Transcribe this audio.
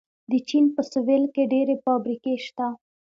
د چین په سویل کې ډېرې فابریکې شته.